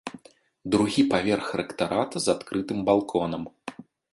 Другі паверх рэктарата з адкрытым балконам.